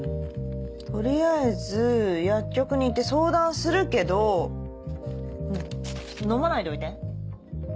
取りあえず薬局に行って相談するけど飲まないでおいて。